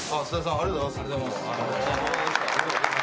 ありがとうございます。